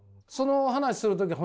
その話する時